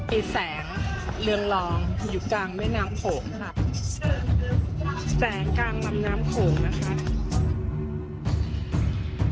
ไอ้แสงเรืองรองอยู่กลางเมืองน้ำโข่มครับแสงกลางลำน้ำโข่มนะคะ